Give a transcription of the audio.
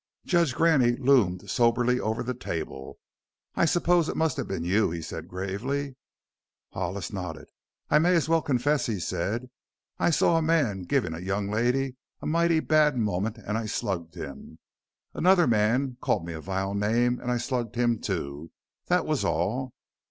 Judge Graney loomed somberly over the table. "I suppose it must have been you?" he said gravely. Hollis nodded. "I may as well confess," he said. "I saw a man giving a young lady a mighty bad moment and I slugged him. Another man called me a vile name and I slugged him, too. That was all."